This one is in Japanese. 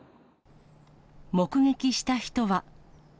目撃した人は。